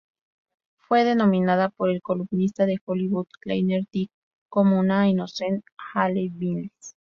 Fue denominada por el columnista de Hollywood, Kleiner Dick, como una "inocente Hayley Mills".